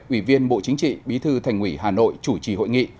ủy viên bộ chính trị bí thư thành ủy hà nội chủ trì hội nghị